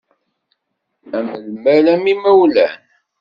Am lmal, am yimawlan.